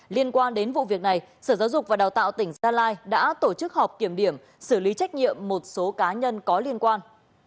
liên quan đến vụ việc này sở giáo dục và đào tạo tỉnh gia lai đã tổ chức họp kiểm điểm xử lý trách nhiệm một số cá nhân có liên quan